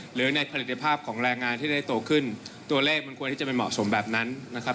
หรือในผลิตภาพของแรงงานที่ได้โตขึ้นตัวเลขมันควรที่จะไม่เหมาะสมแบบนั้นนะครับ